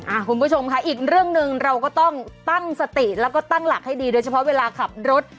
คุณผู้ชมค่ะอีกเรื่องหนึ่งเราก็ต้องตั้งสติแล้วก็ตั้งหลักให้ดีโดยเฉพาะเวลาขับรถ